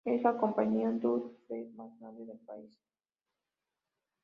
Es la compañía duty-free más grande del país.